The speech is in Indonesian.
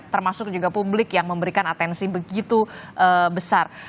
termasuk juga publik yang memberikan atensi begitu besar